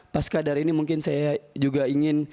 pas kadar ini mungkin saya juga ingin